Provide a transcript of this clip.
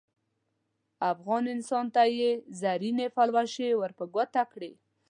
افغان انسان ته یې زرینې پلوشې ور په ګوته کړې.